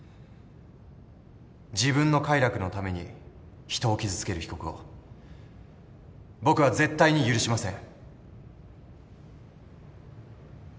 自分の快楽のために人を傷つける被告を僕は絶対に許しません。